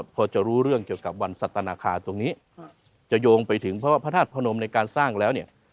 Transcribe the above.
พอจะรู้เรื่องเกี่ยวกับวันสัตนาคารตรงนี้จะโยงไปถึงเพราะว่าพระธาตุพนมในการสร้างแล้วเนี่ย